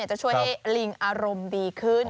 จะช่วยให้ลิงอารมณ์ดีขึ้น